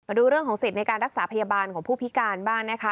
ดูเรื่องของสิทธิ์ในการรักษาพยาบาลของผู้พิการบ้างนะคะ